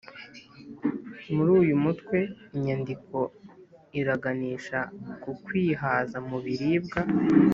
muri uyu mutwe, imyandiko iraganisha ku kwihaza mu biribwa